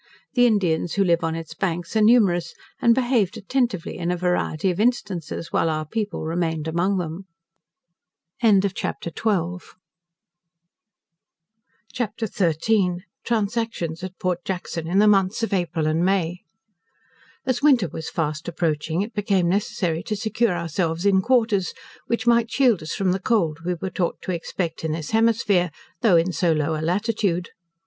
The Indians who live on its banks are numerous, and behaved attentively in a variety of instances while our people remained among them. CHAPTER XIII. Transactions at Port Jackson in the Months of April and May. As winter was fast approaching, it became necessary to secure ourselves in quarters, which might shield us from the cold we were taught to expect in this hemisphere, though in so low a latitude.